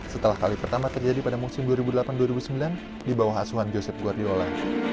setelah kali pertama terjadi pada musim dua ribu delapan dua ribu sembilan di bawah asuhan joseph guardiola